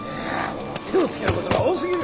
手をつけることが多すぎる。